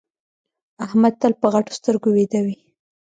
احمد تل په غټو سترګو ويده وي.